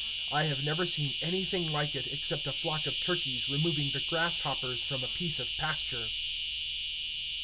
I have never seen anything like it, except a flock of turkeys removing the grasshoppers from a piece of pasture.